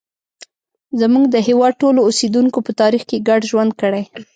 زموږ د هېواد ټولو اوسیدونکو په تاریخ کې ګډ ژوند کړی.